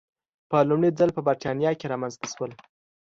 په لومړي ځل په برېټانیا کې رامنځته شول.